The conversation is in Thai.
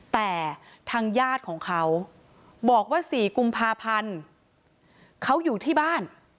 แต่ทางญาติของเขาบอกว่า๔กุมภาพันธ์เขาอยู่ที่บ้าน